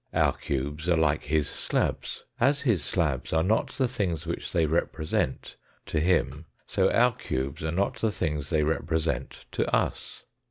Our cubes are like his slabs. As his slabs are not the things which they represent to him, so our cubes are not the things they represent to us.